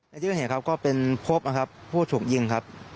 ที่เกิดเหตุครับก็เป็นพบนะครับผู้ถูกยิงครับ